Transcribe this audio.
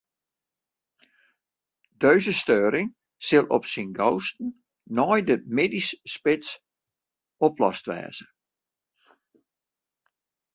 Dizze steuring sil op 'en gausten nei de middeisspits oplost wêze.